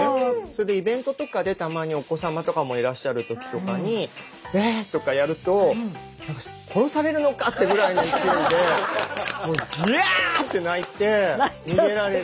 それでイベントとかでたまにお子さまとかもいらっしゃる時とかにわあ！とかやると殺されるのかってぐらいの勢いでもうぎゃあって泣いて逃げられてしまう。